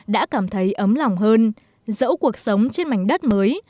đã cảm thấy ấm lòng hơn dẫu cuộc sống trên mảnh đất mới